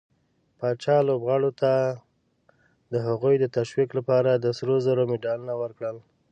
پاچا لوبغارو ته د هغوي د تشويق لپاره د سروزرو مډالونه ورکړل.